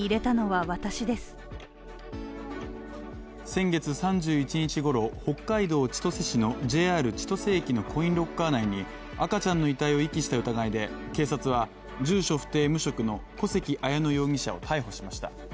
先月３１日ごろ、北海道千歳市のＪＲ千歳駅のコインロッカー内に赤ちゃんの遺体を遺棄した疑いで、警察は、住所不定・無職の小関彩乃容疑者を逮捕しました。